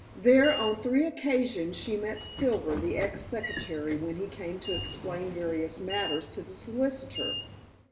There, on three occasions she met Silver, the ex secretary, when he came to explain various matters to the solicitor.